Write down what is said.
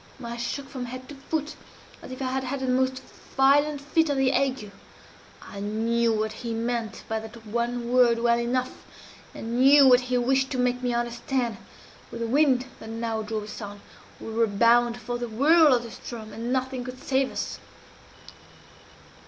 I shook from head to foot as if I had had the most violent fit of the ague. I knew what he meant by that one word well enough I knew what he wished to make me understand. With the wind that now drove us on, we were bound for the whirl of the Ström, and nothing could save us!